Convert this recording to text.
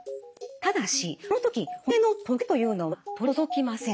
ただしこの時骨のトゲというのは取り除きません。